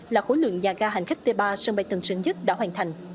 là khối lượng nhà ga hành khách t ba sân bay tầng sớm nhất đã hoàn thành